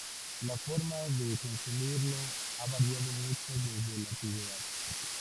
La forma de consumirlo ha variado mucho desde la antigüedad.